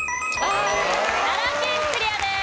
奈良県クリアです。